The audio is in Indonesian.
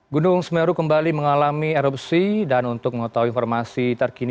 gunung semeru kembali mengalami erupsi dan untuk mengetahui informasi terkini